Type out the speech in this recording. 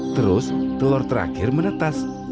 terus telur terakhir menetas